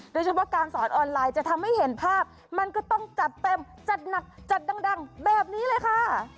โดยเฉพาะการสอนออนไลน์จะทำให้เห็นภาพมันก็ต้องจัดเต็มจัดหนักจัดดังแบบนี้เลยค่ะ